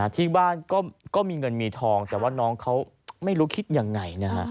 ที่บ้านก็มีเงินมีทองแต่ว่าน้องเขาไม่รู้คิดยังไงนะฮะ